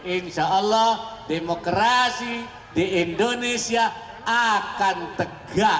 insya allah demokrasi di indonesia akan tegak